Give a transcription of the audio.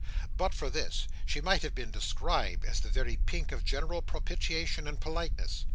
But for this she might have been described as the very pink of general propitiation and politeness.